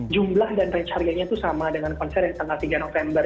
jumlah dan range harganya itu sama dengan konser yang tanggal tiga november